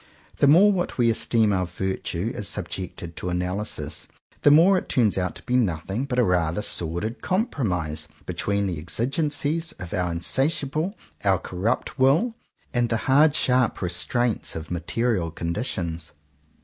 The more what we esteem our virtue, is subjected to analysis, the more it turns out to be nothing but a rather sordid compro mise between the exigencies of our insatiable, our corrupt will, and the hard sharp re straints of material conditions.